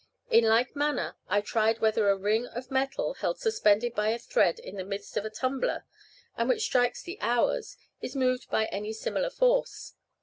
In like manner I tried whether a ring of metal, held suspended by a thread in the midst of a tumbler, and which strikes the hours, is moved by any similar force.